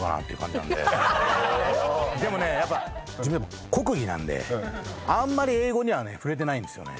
でもねやっぱ自分国技なんであんまり英語にはね触れてないんですよね。